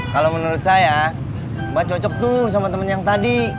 kalau menurut saya mbak cocok tuh sama temen yang tadi